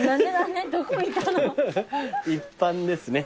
一般ですね。